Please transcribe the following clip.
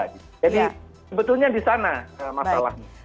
jadi sebetulnya di sana masalahnya